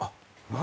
何？